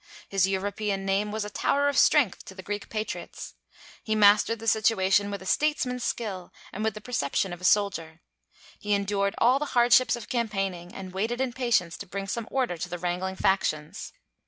His European name was a tower of strength to the Greek patriots. He mastered the situation with a statesman's skill and with the perception of a soldier; he endured all the hardships of campaigning, and waited in patience to bring some order to the wrangling factions.